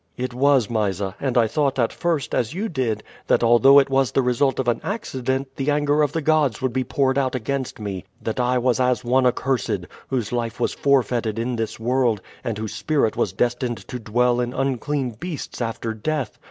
"It was, Mysa; and I thought at first, as you did, that although it was the result of an accident the anger of the gods would be poured out against me, that I was as one accursed, whose life was forfeited in this world, and whose spirit was destined to dwell in unclean beasts after death.